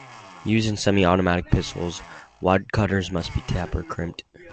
Used in semi-automatic pistols, wadcutters must be taper crimped.